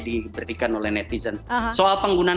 diberikan oleh netizen soal penggunaan